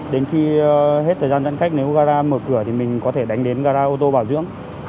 đến khi hết thời gian giãn cách nếu ugara mở cửa thì mình có thể đánh đến gara ô tô bảo dưỡng